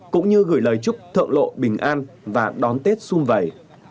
cũng như gửi lời chúc thượng lộ bình an và đón tết xuân vầy